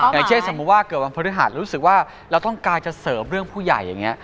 อย่างเช่นสมมุติว่าเกิดวันพฤหัสรู้สึกว่าเราต้องการจะเสริมเรื่องผู้ใหญ่อย่างนี้